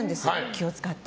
気を使って。